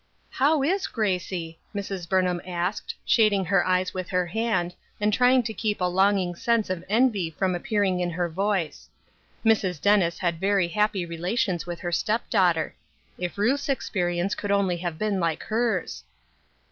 " How is Gracie ?" Mrs. Burnham asked, shading her eyes with her hand, and trying to keep a long ing sense of envy from appearing in her voice ; Mrs. Dennis had very happy relations with her step daughter. If Ruth's experience could only have been like hers